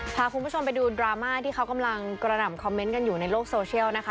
พาคุณผู้ชมไปดูดราม่าที่เขากำลังกระหน่ำคอมเมนต์กันอยู่ในโลกโซเชียลนะคะ